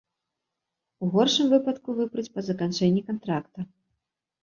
У горшым выпадку выпруць па заканчэнні кантракта.